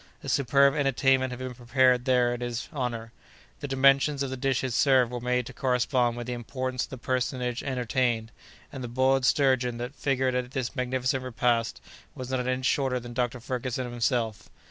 A superb entertainment had been prepared there in his honor. The dimensions of the dishes served were made to correspond with the importance of the personage entertained, and the boiled sturgeon that figured at this magnificent repast was not an inch shorter than Dr. Ferguson himself.